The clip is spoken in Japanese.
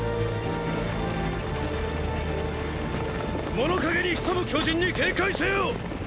物陰に潜む巨人に警戒せよ！！